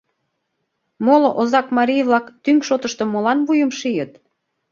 Моло озакмарий-влак тӱҥ шотышто молан вуйым шийыт?